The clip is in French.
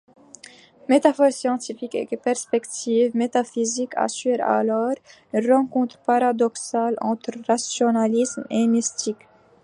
Métaphores scientifiques et perspectives métaphysiques assurent alors une rencontre paradoxale entre rationalisme et mystique.